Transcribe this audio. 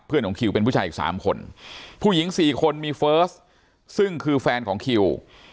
เพื่อนของคิวเป็นผู้ชายอีกสามคนผู้หญิงสี่คนมีซึ่งคือแฟนของคิว